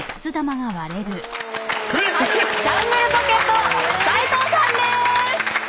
ジャングルポケット斉藤さんです！